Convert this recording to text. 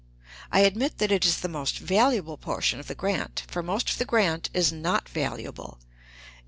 I admit that it is the most valuable portion of the grant, for most of the grant is not valuable.